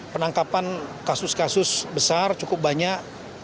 penangkapan kasus kasus besar cukup banyak